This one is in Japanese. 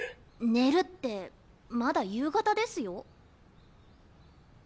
寝るってまだ夕方ですよ。